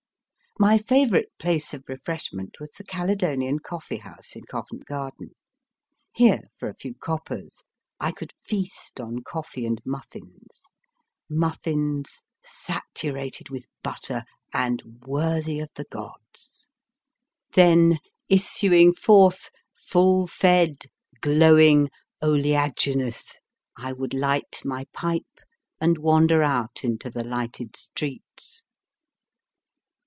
My favourite place of refreshment was the Caledonian Coffee House in Covent Garden. Here, for a few coppers, I could feast on coffee and muffins muffins saturated with butter, and worthy of the gods ! Then, issuing forth, full fed, glowing, oleaginous, I would light my pipe, and wander out into the lighted streets.